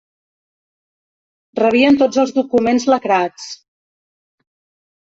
Rebien tots els documents lacrats.